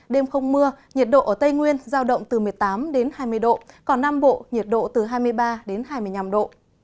đêm không mưa nhiệt độ ở tây nguyên giao động từ một mươi tám đến hai mươi độ còn nam bộ nhiệt độ từ hai mươi ba đến hai mươi năm độ